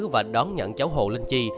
và đón nhận cháu hồ linh chi